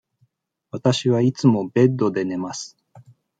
わたしはいつもベッドで寝ます。